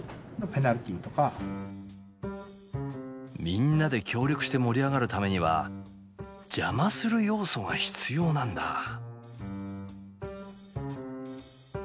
みんなで協力して盛り上がるためには邪魔する要素が必要なんだあ。